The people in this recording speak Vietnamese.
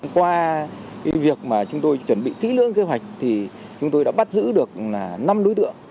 qua việc mà chúng tôi chuẩn bị kỹ lưỡng kế hoạch thì chúng tôi đã bắt giữ được năm đối tượng